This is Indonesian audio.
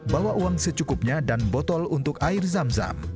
bawa uang secukupnya dan botol untuk air zam zam